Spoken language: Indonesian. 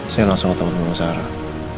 saya langsung ketemu dengan sarah